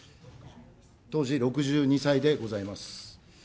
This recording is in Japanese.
当時６２歳でございます。